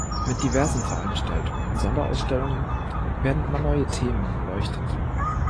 Mit diversen Veranstaltungen und Sonderausstellungen werden immer neue Themen beleuchtet.